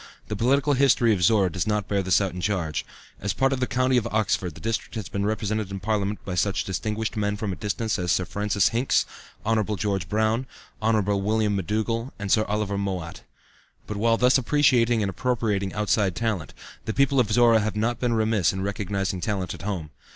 The political history of Zorra does not bear out this charge. As a part of the County of Oxford, the district has been represented in Parliament by such distinguished men from a distance as Sir Francis Hincks, Hon. George Brown, Hon. William McDougall and Sir Oliver Mowat. But while thus appreciating and appropriating outside talent, the people of Zorra have not been remiss in recognizing talent at home.